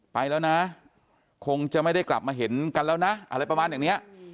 ไปแล้วนะคงจะไม่ได้กลับมาเห็นกันแล้วนะอะไรประมาณอย่างนี้